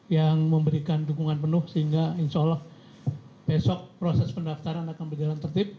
yang memberikan dukungan penuh sehingga insya allah besok proses pendaftaran akan berjalan tertib